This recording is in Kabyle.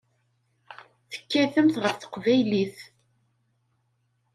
Tekkatemt ɣef teqbaylit.